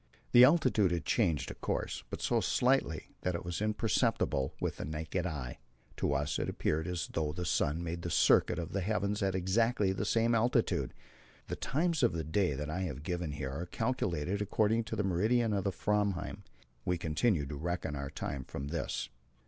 The altitude had changed, of course, but so slightly that it was imperceptible with the naked eye. To us it appeared as though the sun made the circuit of the heavens at exactly the same altitude. The times of day that I have given here are calculated according to the meridian of Framheim; we continued to reckon our time from this.